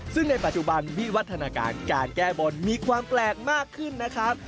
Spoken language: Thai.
ซึ่งในปัจจุบันวิวัฒนาการการแก้บนมีความแปลกมากขึ้นนะครับ